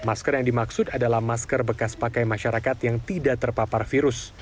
masker yang dimaksud adalah masker bekas pakai masyarakat yang tidak terpapar virus